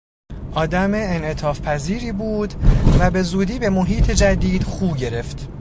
آدم انعطافپذیری بود و به زودی به محیط جدید خو گرفت.